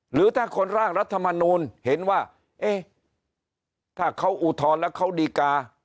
หรือถ้าคนร่างรัฐมนูลเห็นว่าเอ๊ะถ้าเขาอุทธรณ์แล้วเขาดีกา